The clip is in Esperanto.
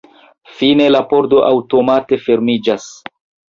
Fine la pordo aŭtomate fermiĝas.